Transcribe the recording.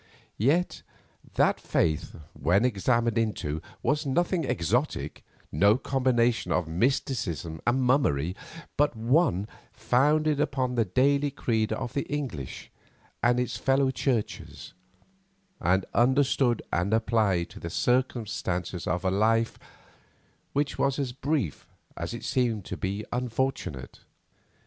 Yet that faith, when examined into, was nothing exotic; no combination of mysticism and mummery, but one founded upon the daily creed of the English and its fellow churches, and understood and applied to the circumstances of a life which was as brief as it seemed to be unfortunate.